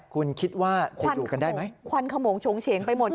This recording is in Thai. คุณคิดว่าควันขโมงชงเชงไปหมด